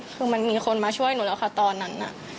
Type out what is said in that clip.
คือมันมีคนมาช่วยหนูแล้วค่ะตอนนั้น